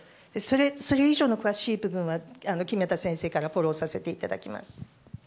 それ以上の詳しい部分は木目田先生からフォローさせていただきます。